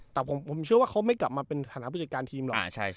แต่ผมเชื่อว่าเขาไม่กลับมาเป็นฐานผู้จัดการทีมหรอก